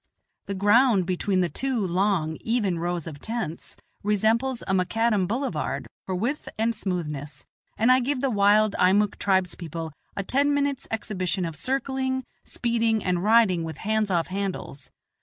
The ground between the two long, even rows of tents resembles a macadam boulevard for width and smoothness, and I give the wild Eimuck tribes people a ten minutes' exhibition of circling, speeding, and riding with hands off handles.